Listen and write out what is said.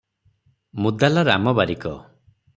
ମୁଦାଲା Ram Barik.